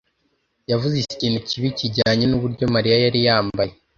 yavuze ikintu kibi kijyanye nuburyo Mariya yari yambaye.